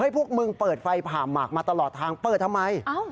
พวกมึงเปิดไฟผ่าหมากมาตลอดทางเปิดทำไม